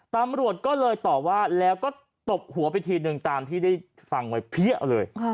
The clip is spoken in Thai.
ตำรวจก็เลยต่อว่าแล้วก็ตบหัวไปทีนึงตามที่ได้ฟังไว้เพี้ยเลย